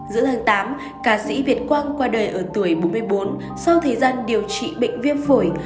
giữa tháng tám ca sĩ việt quang qua đời ở tuổi bốn mươi bốn sau thời gian điều trị bệnh viêm phổi